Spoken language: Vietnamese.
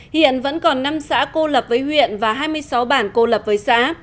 hiện vẫn còn năm xã cô lập với huyện và hai mươi sáu bản cô lập với xã